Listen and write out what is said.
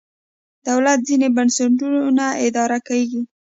دولت ځینې بنسټونه اداره کېږي.